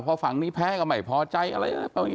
พอฝั่งนี้แพ้กับใหม่พอใจอะไรรึเปล่า